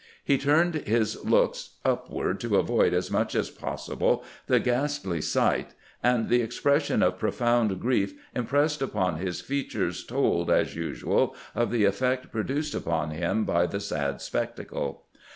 He turned his looks upward to avoid as much as possible the ghastly sight, and the expression of pro found grief impressed upon his features told, as usual, of the effect produced upon him by the sad spectacle.